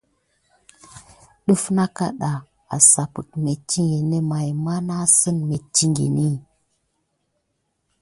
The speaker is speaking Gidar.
Def nɑŋ kaɗɑ əsap mettingən may ma iŋzinŋ mettingeni.